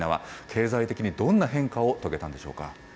経済的にどんな変化を遂げたんでしょうか？